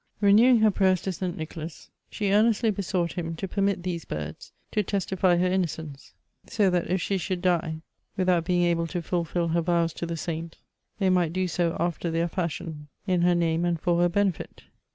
Renewing her prayers to Saint Nicholas, she earnestly besought him to permit these birds to testify her innocence, so that if she should die with out being able to fulfil her vows to the saint, they might do so after their fashion, in her name and for her benefit.